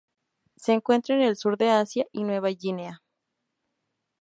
Se encuentra en el sur de Asia y Nueva Guinea.